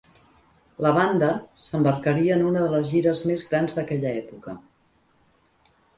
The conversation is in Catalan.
La banda s"embarcaria en una de les gires més grans d"aquella època.